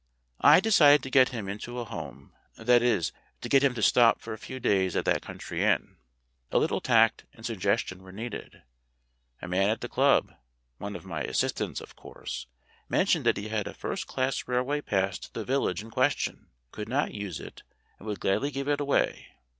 I decided to get him into a home that is, to get him to stop for a few days at that country inn. A little tact and suggestion were needed. A man at the club one of my assistants, of course mentioned that he had a first class railway pass to the village in ques tion, could not use it, and would gladly give it away.